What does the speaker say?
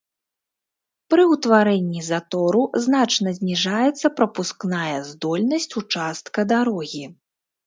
Пры ўтварэнні затору значна зніжаецца прапускная здольнасць участка дарогі.